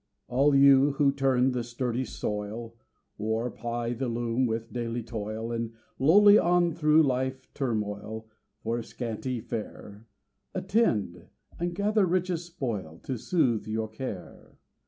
All you who turn the sturdy soil, Or ply the loom with daily toil, And lowly on through life turmoil For scanty fare, Attend, and gather richest spoil To soothe your care.